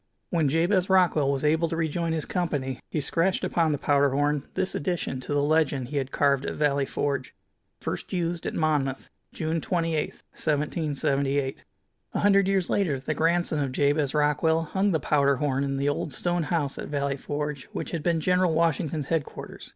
When Jabez Rockwell was able to rejoin his company he scratched upon the powder horn this addition to the legend he had carved at Valley Forge: First Used at Monmouth June 28, 1778. A hundred years later the grandson of Jabez Rockwell hung the powder horn in the old stone house at Valley Forge which had been General Washington's headquarters.